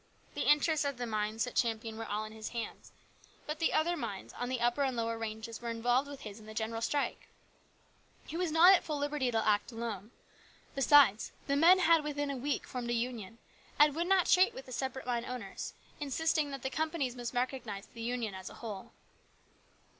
The interests of the mines at Champion were all in his hands, but the other mines on the upper and lower ranges were involved with his in the general strike. He was not at full liberty to act alone. Besides, the men had within a LARGE RESPONSIBILITIES. 43 week formed a Union, and would not treat with the separate mine owners, insisting that the companies must recognise the Union as a whole.